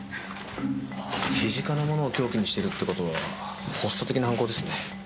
あぁ手近な物を凶器にしてるって事は発作的な犯行ですね。